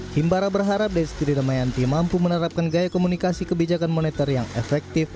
himbara berharap destri damayanti mampu menerapkan gaya komunikasi kebijakan moneter yang efektif